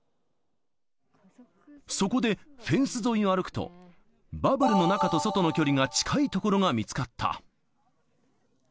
そこで、フェンス沿いを歩くと、バブルの中と外の距離が近い所が見つかった。